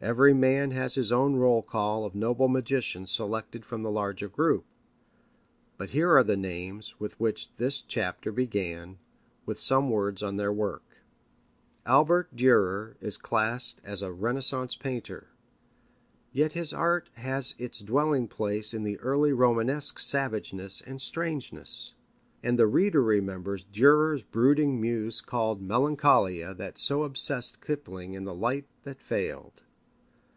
Every man has his own roll call of noble magicians selected from the larger group. But here are the names with which this chapter began, with some words on their work. Albert Dürer is classed as a Renaissance painter. Yet his art has its dwelling place in the early Romanesque savageness and strangeness. And the reader remembers Dürer's brooding muse called Melancholia that so obsessed Kipling in The Light that Failed.